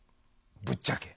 ぶっちゃけ。